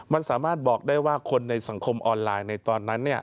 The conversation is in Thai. มันสามารถบอกได้ว่าคนในสังคมออนไลน์ในตอนนั้น